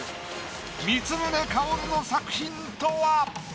光宗薫の作品とは？